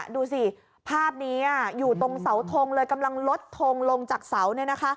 ดูสิภาพนี้อยู่ตรงเสาทงเลยกำลังลดทงลงจากเสา